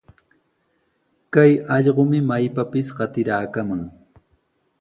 Kay allqumi maypapis qatiraakaman.